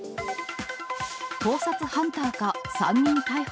盗撮ハンターか、３人逮捕。